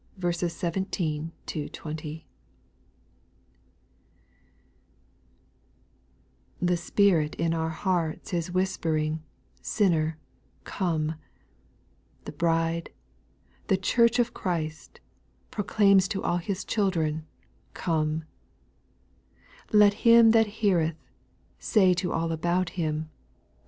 rpHE Spirit in our hearts JL Is whispering, Sinner, Come 1 The bride, the Church of Christ, proclaims To all His children, Come 1 2. Let him that heareth, say To all about him.